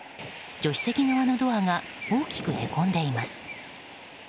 助手席側のドアが大きくへこんでいます。